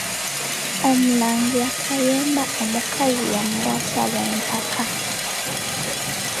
Omulangira Kayemba omukazi yamuwasa, olw'empaka.